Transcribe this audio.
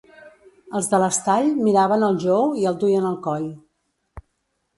Els de l'Estall miraven el jou i el duien al coll.